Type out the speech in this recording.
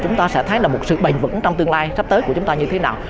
chúng ta sẽ thấy là một sự bền vững trong tương lai sắp tới của chúng ta như thế nào